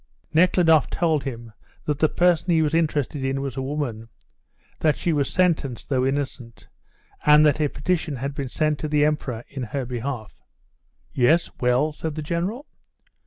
Nekhludoff told him that the person he was interested in was a woman, that she was sentenced, though innocent, and that a petition had been sent to the Emperor in her behalf. "Yes, well?" said the General.